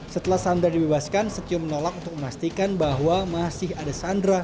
setelah sandra dibebaskan setio menolak untuk memastikan bahwa masih ada sandra